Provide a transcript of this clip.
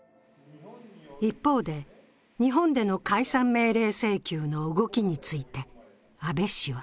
一方で、日本での解散命令請求の動きについて阿部氏は